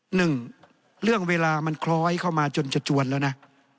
หนึ่งเรื่องเวลามันคล้อยเข้ามาจนจะจวนแล้วนะ